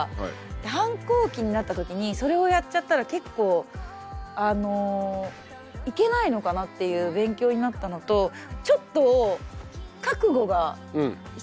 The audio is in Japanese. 反抗期になった時にそれをやっちゃったら結構いけないのかなっていう勉強になったのとちょっと覚悟が必要だなと。